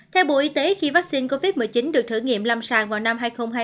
theo bộ y tế khi vaccine covid một mươi chín được thử nghiệm lâm sàng vào năm hai nghìn hai mươi